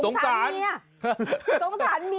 สงสารเมีย